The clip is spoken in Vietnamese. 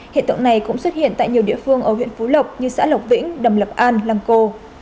hiện tượng này cũng xuất hiện tại nhiều địa phương ở huyện phú lộc như xã lộc vĩnh đầm lập an lang co